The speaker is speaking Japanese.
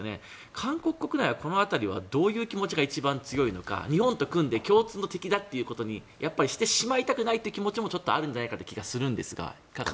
韓国国内は、この辺りはどういう気持ちが一番強いのか日本と組んで共通の敵だということにしてしまいたくないという気持ちもちょっとあるんじゃないかという気がするんですがいかがですか。